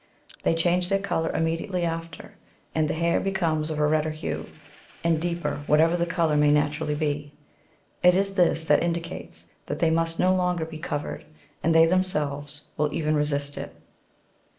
They change their colour immediately after, and the hair becomes of a redder hue, and deeper, whatever the colour may naturally be ; it is this that indicates that they must no longer be covered, and they, themselves, will even resist it.